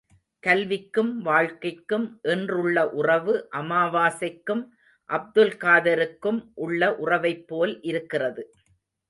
கல்விக்கும் வாழ்க்கைக்கும் இன்றுள்ள உறவு அமாவாசைக்கும் அப்துல்காதருக்கும் உள்ள உறவைப்போல் இருக்கிறது.